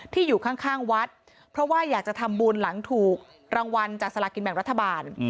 อยู่ข้างวัดเพราะว่าอยากจะทำบุญหลังถูกรางวัลจากสลากินแบ่งรัฐบาล